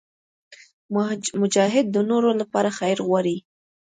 مجاهد د نورو لپاره خیر غواړي.